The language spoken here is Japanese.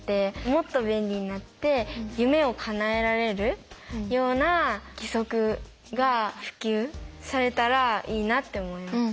もっと便利になって夢をかなえられるような義足が普及されたらいいなって思います。